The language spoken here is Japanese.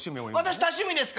私多趣味ですからね